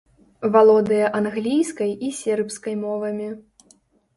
Валодае англійскай і сербскай мовамі.